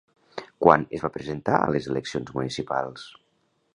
Quan es va presentar a les eleccions municipals?